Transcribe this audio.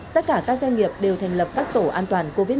tất cả các doanh nghiệp đều thành lập bắc tổ an toàn covid một mươi chín